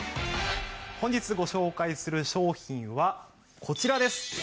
本日ご紹介する商品はこちらです。